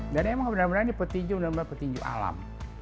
dan emang benar benar di petinju petinju alam